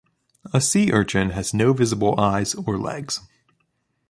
A sea urchin has no visible eyes or legs.